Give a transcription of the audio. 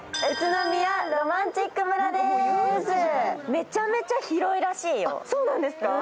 めちゃめちゃ広いらしいよ。